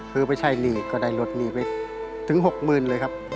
คือไปใช่หนี่ก็ได้ลดหนี่ไปถึง๖หมื่นเลยครับ